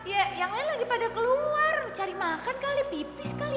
ya yang lain lagi pada keluar cari makan kali pipis kali